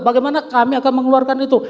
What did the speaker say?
bagaimana kami akan mengeluarkan itu